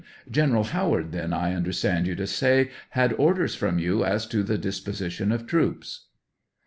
General Howard, then, I understand you to say, had orders from you as to the disposition of troops?